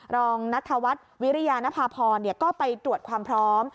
รองนัทธวัฒน์วิริยานภาพรก็ไปตรวจความพร้อม